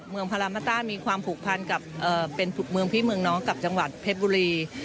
พารามาต้ามีความผูกพันกับเป็นเมืองพี่เมืองน้องกับจังหวัดเพชรบุรี